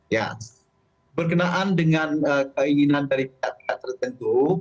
ya berkenaan dengan keinginan dari pihak pihak tertentu